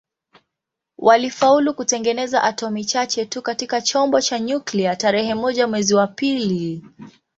Walifaulu kutengeneza atomi chache tu katika chombo cha nyuklia tarehe moja mwezi wa pili